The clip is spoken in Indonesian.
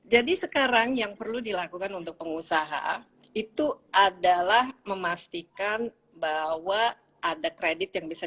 jadi sekarang yang perlu dilakukan untuk pengusaha itu adalah memastikan bahwa ada kredit yang bisa